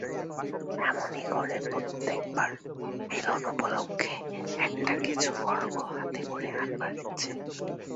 এমনি করে প্রত্যেকবার মিলন উপলক্ষে একটা-কিছু অর্ঘ্য হাতে করে আনবার ইচ্ছে।